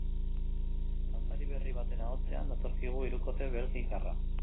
Kantari berri baten ahotsean datorkigu hirukote belgikarra.